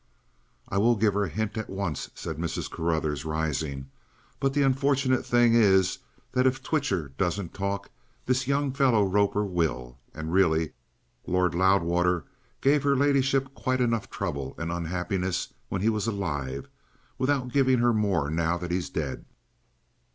"I will give her a hint at once," said Mrs. Carruthers, rising. "But the unfortunate thing is that if Twitcher doesn't talk, this young fellow Roper will. And, really, Lord Loudwater gave her ladyship quite enough trouble and unhappiness when he was alive without giving her more now that he's dead."